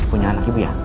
punya anak ibu ya